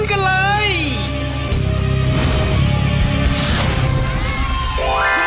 ไอเทมของเธอสีภูวาแบบ